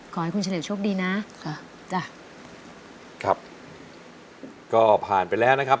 ขอให้คุณเฉลยโชคดีนะค่ะจ้ะครับก็ผ่านไปแล้วนะครับ